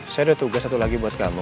saya udah tugas satu lagi buat kamu